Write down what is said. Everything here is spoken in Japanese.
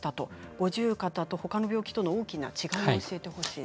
五十肩とほかの病気との大きな違いを教えてほしいです。